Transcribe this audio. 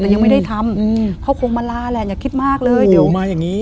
แต่ยังไม่ได้ทำอืมเขาคงมาลาแหละอย่าคิดมากเลยเดี๋ยวมาอย่างงี้